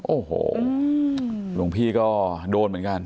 โอ้โหหลวงพี่ก็โดนเหมือนกัน